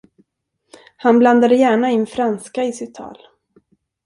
Han blandade gärna in franska i sitt tal.